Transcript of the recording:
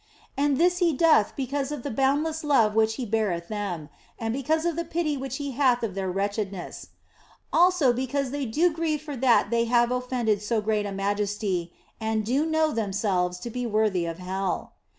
And this He doth because of the boundless love which He beareth them, and because of the pity which He hath of their wretchedness ; also because they do grieve for that they have offended so great a Majesty and do know themselves to be worthy of hell.